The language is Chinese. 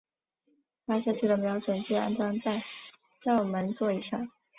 发射器的瞄准具安装在照门座以上。